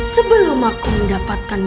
sebelum aku mendapatkan